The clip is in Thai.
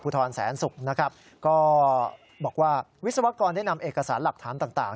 ทรแสนศุกร์นะครับก็บอกว่าวิศวกรได้นำเอกสารหลักฐานต่าง